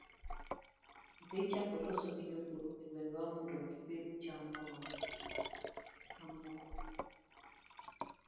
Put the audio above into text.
Dhi chako loso gi jopur egwengego mondo gipidh cham mamoko